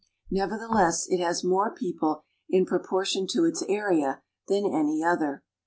Nevertheless, it has more people in pro portion to its area than any other.